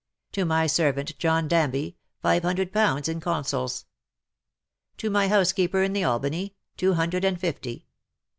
'^To my servant, John Danby, five hundred pounds in consols. " To my housekeeper in the Albany, two hundred and fifty.